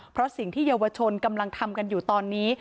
เพราะสิ่งที่เยาวชนกำลังทำกันอยู่ตอนนี้